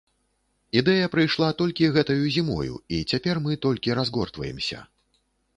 Ідэя прыйшла толькі гэтаю зімою і цяпер мы толькі разгортваемся.